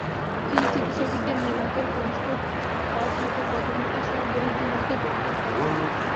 তিনি চিকিৎসাবিজ্ঞান বিভাগের কনিষ্ঠ পদ হতে পদোন্নতিসহ গণিত বিভাগে যোগদান করেন।